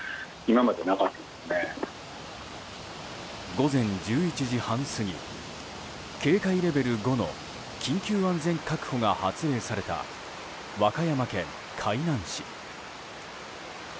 午前１１時半過ぎ警戒レベル５の緊急安全確保が発令された和歌山県海南市。